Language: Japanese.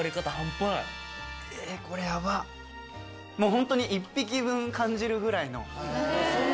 本当に一匹分感じるぐらいの。